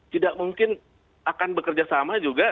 tidak mungkin akan bekerja sama juga